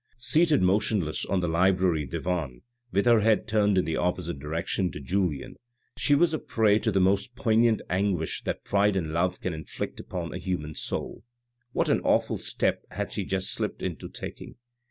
Seated motionless on the library divan, with her head turned in the opposite direction to Julien, she was a prey to the most poignant anguish that pride and love can inflict upon a human soul. What an awful step had she just slipped into taking